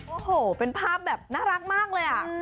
โอ้โหเป็นภาพแบบน่ารักมากเลยอ่ะ